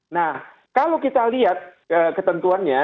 nah kalau kita lihat ketentuannya